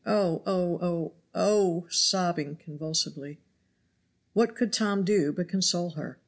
"Oh! oh! oh! oh!" sobbing convulsively. What could Tom do but console her?